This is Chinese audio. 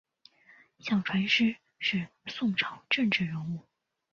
向传师是宋朝政治人物。